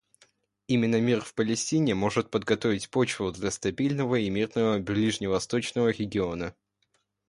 Именно мир в Палестине может подготовить почву для стабильного и мирного ближневосточного региона.